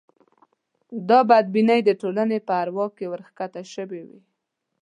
دا بدبینۍ د ټولنې په اروا کې ورکښته شوې وې.